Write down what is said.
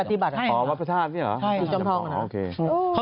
ติดใต้ปฏิบัติ